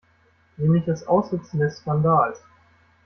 Nämlich das Aussitzen des Skandals.